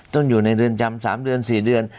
ต้องอยู่ในเรือนจำ๓เดือน๔เดือน